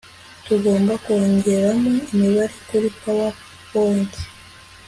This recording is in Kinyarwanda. tugomba kongeramo imibare kuri powerpoint